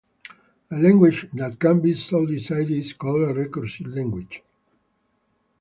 A language that can be so decided is called a recursive language.